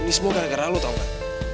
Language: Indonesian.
ini semua gara gara lo tau kan